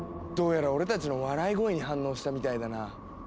どうやら俺たちの笑い声に反応したみたいだな。